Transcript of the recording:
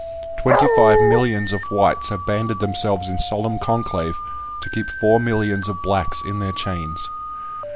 Twenty five millions of whites have banded themselves in solemn conclave to keep four millions of blacks in their chains.